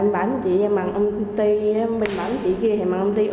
tại bản chị em bằng công ty bên bản chị kia bằng công ty